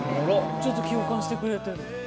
ちょっと共感してくれてる。